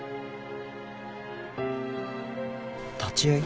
立ち会い？